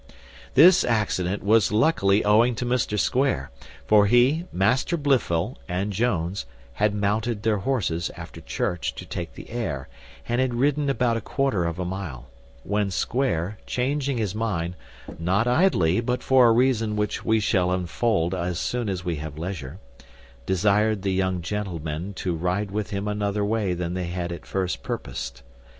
This accident was luckily owing to Mr Square; for he, Master Blifil, and Jones, had mounted their horses, after church, to take the air, and had ridden about a quarter of a mile, when Square, changing his mind (not idly, but for a reason which we shall unfold as soon as we have leisure), desired the young gentlemen to ride with him another way than they had at first purposed.